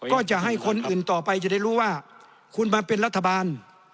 ก็จะให้คนอื่นต่อไปจะได้รู้ว่าคุณมาเป็นรัฐบาล